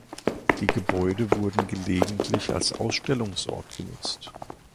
Die Gebäude wurden gelegentlich als Ausstellungsort genutzt.